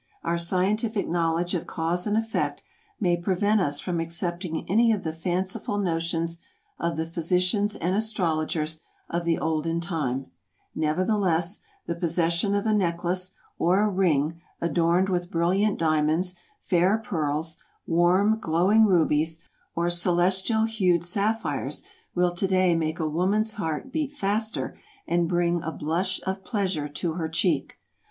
Our scientific knowledge of cause and effect may prevent us from accepting any of the fanciful notions of the physicians and astrologers of the olden time; nevertheless, the possession of a necklace or a ring adorned with brilliant diamonds, fair pearls, warm, glowing rubies, or celestial hued sapphires will to day make a woman's heart beat faster and bring a blush of pleasure to her cheek.